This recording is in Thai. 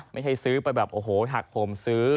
ไม่ใช่ซื้อไปแบบโอ้โหหักผมซื้อ